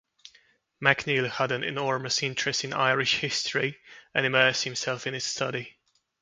MacNeill had an enormous interest in Irish history and immersed himself in its study.